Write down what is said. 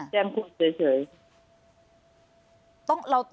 แจ้งพูดเฉยเฉย